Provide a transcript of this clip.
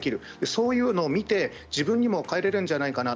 そういうものを見て自分も帰れるんじゃないかな